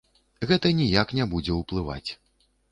Гэта ніяк не будзе ўплываць.